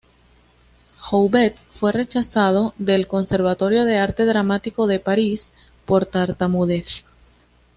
Jouvet fue rechazado del Conservatorio de Arte Dramático de París por tartamudez.